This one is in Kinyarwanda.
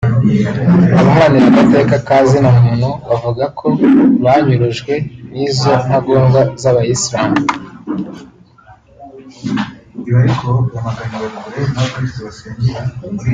Abaharanira agateka ka zina muntu bavuga ko mu banyurujwe n' izo ntagondwa z'aba Islamu